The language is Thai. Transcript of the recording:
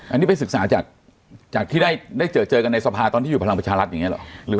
อันนี้ไปศึกษาจากที่ได้เจอกันในสภาตอนที่อยู่พลังประชารัฐอย่างนี้เหรอ